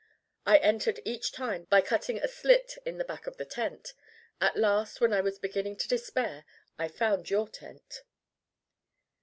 I entered each time by cutting a slit in the back of the tent. At last when I was beginning to despair, I found your tent.